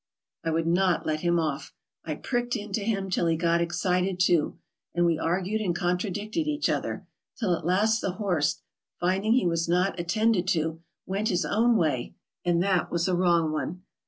'' I would not let him off. I pricked into him, till he got excited too, and we argued and contradicted each other, till at last the horse, rinding he was not attended to, went his own way and that was a wrong one.